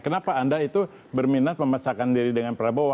kenapa anda itu berminat memasakkan diri dengan prabowo